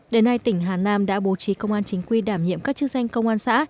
đến nay tỉnh hà nam đã bố trí công an chính quy đảm nhiệm các chức danh công an xã